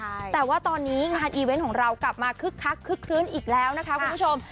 แต่ว่าตอนนี้งานอีเวนต์ของเรากลับมาคึกคักคึกคลื้นอีกแล้วนะคะคุณผู้ชม